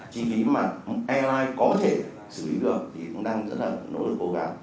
chi phí mà airline có thể xử lý được thì chúng ta rất là nỗ lực cố gắng